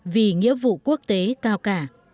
vì nghĩa vụ quốc tế cao cả